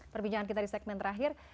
perbincangan kita di segmen terakhir